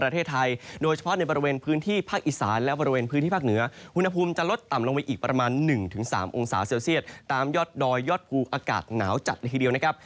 ตามยอดดอยยอดภูอากาศหนาวจัดทีเดียวนะครับ